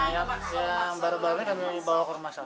yang baru baru ini kami dibawa ke rumah sakit